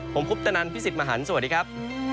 ผมพุทธนันทร์พี่สิทธิ์มหันศ์สวัสดีครับ